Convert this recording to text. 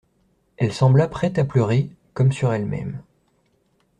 Elle sembla prête à pleurer, comme sur elle-même.